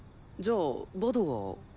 じゃあバドは。